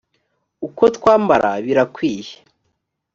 uko twambara birakwiye